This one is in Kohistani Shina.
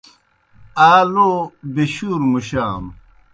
آ لو بیشُور مُشانوْ۔